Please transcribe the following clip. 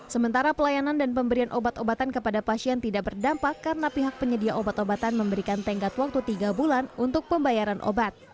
sementara pelayanan dan pemberian obat obatan kepada pasien tidak berdampak karena pihak penyedia obat obatan memberikan tenggat waktu tiga bulan untuk pembayaran obat